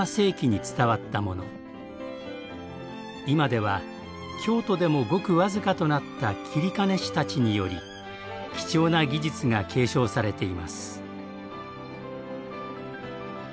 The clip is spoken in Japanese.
今では京都でもごく僅かとなった截金師たちにより貴重な技術が継承されています。